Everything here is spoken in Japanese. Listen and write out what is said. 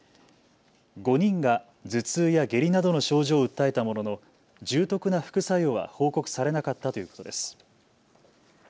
５人が頭痛や下痢などの症状を訴えたものの重篤な副作用は報告されなかったということです。